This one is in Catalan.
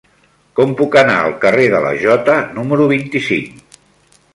Com puc anar al carrer de la Jota número vint-i-cinc?